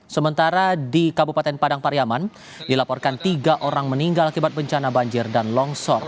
sementara di kabupaten padang pariaman dilaporkan tiga orang meninggal akibat bencana banjir dan longsor